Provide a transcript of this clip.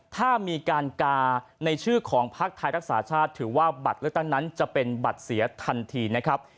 ถ้ามีการกาในชื่อของภักดิ์ไทยรักษาชาติถือว่าบัตรเลือกตั้งนั้นจะเป็นบัตรเสียทันทีนะครับ